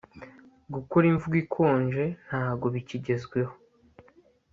gukora imvugo ikonje ntago bikigezweho